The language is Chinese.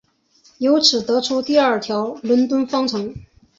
由此得出第二条伦敦方程。